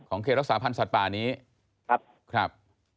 เขตรักษาพันธ์สัตว์ป่านี้ครับ